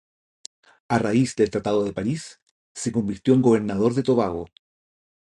A raíz del Tratado de París, se convirtió en gobernador de Tobago.